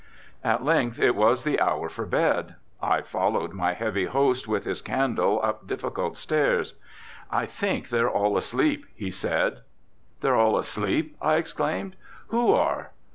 At length it was the hour for bed. I followed my heavy host with his candle up difficult stairs. "I think they're all asleep," he said. "They're all asleep!" I exclaimed. "Who are?"